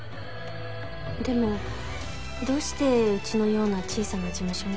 でもどうしてウチのような小さな事務所に？